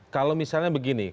kalau misalnya begini